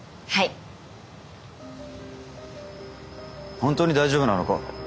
本当に大丈夫なのか？